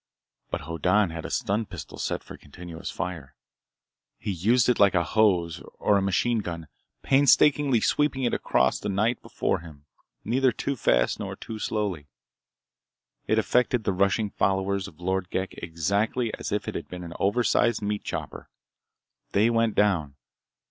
But Hoddan had a stun pistol set for continuous fire. He used it like a hose or a machine gun, painstakingly sweeping it across the night before him, neither too fast nor too slowly. It affected the rushing followers of Lord Ghek exactly as if it had been an oversized meat chopper. They went down.